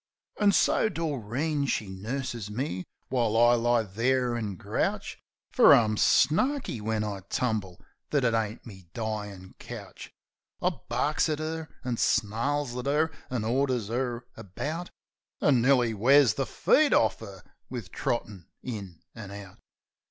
21 Possum An' so Dorecn, she nurses me while I lie there an' grouch ; Fer I'm snarky when I tumble that it ain't me dyin' couch. I barks at 'er, an' snarls at 'er, an' orders 'er about, An' nearly wears the feet orf 'er wiv trottin' in an' out.